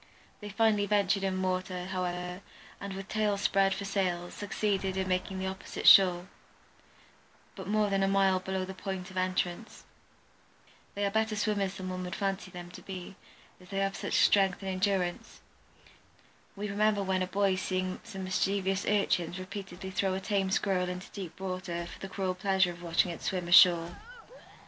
They finally ventured in the water, however, and with tails spread for sails, succeeded in making the opposite shore, but more than a mile below the point of entrance. They are better swimmers than one would fancy them to be, as they have much strength and endurance. We remember when a boy seeing some mischievous urchins repeatedly throw a tame Squirrel into deep water for the cruel pleasure of watching it swim ashore.